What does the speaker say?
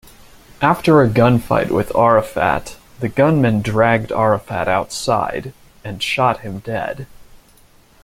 After a gunfight with Arafat, the gunmen dragged Arafat outside, and shot him dead.